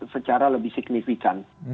secara lebih signifikan